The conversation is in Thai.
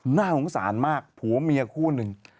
หน้าโหนกสารมากผัวเมียคู่หนึ่ง